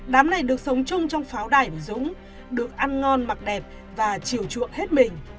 đám này được sống chung trong pháo đài của dũng được ăn ngon mặc đẹp và chiều chuộng hết mình